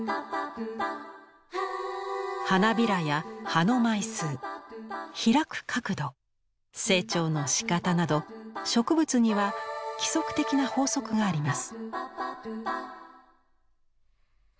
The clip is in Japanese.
花びらや葉の枚数開く角度成長のしかたなど植物には規則的な法則があります。